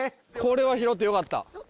これは拾ってよかった